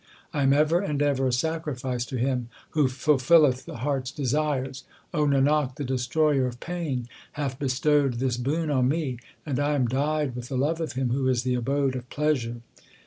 I am ever and ever a sacrifice to Him Who fulfilleth the heart s desires. Nanak, the Destroyer of pain hath bestowed this boon on me, and I am dyed with the love of Him who is the abode of pleasure.